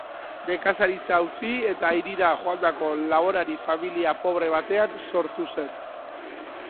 Nekazaritza utzi eta hirira joandako laborari-familia pobre batean sortu zen.